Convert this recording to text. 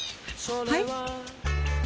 はい？